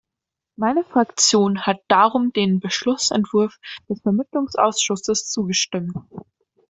Meine Fraktion hat darum dem Beschlussentwurf des Vermittlungsausschusses zugestimmt.